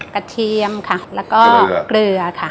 เทียมค่ะแล้วก็เกลือค่ะ